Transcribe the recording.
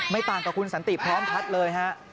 ไม่ต่างกับคุณสันติพร้อมคัดเลยฮะ